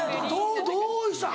どうしたん？